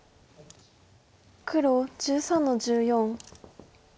黒１３の十四。